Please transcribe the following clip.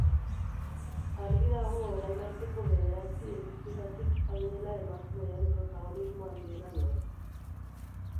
Argi dago orain arteko bederatzi edizioetatik hau dela emakumeen protagonismo handiena duena.